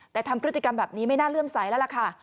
แต่ทำพฤติกรรมแบบนี้ไม่น่าเลื่อมใสแล้วล่ะค่ะ